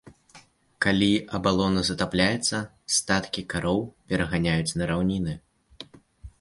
Калі абалона затапляецца, статкі кароў пераганяюць на раўніны.